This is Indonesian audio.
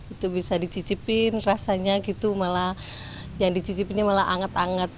itu bisa dicicipin rasanya gitu malah yang dicicipinnya malah anget anget